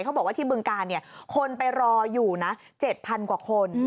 เขาบอกว่าที่บึงการคนไปรออยู่นะ๗๐๐กว่าคน